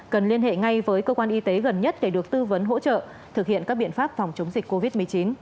cần liên hệ ngay với cơ quan y tế gần nhất để được tư vấn hỗ trợ thực hiện các biện pháp phòng chống dịch covid một mươi chín